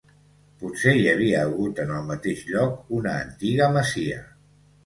Potser hi havia hagut en el mateix lloc una antiga masia.